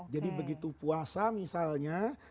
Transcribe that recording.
jadi begitu puasa misalnya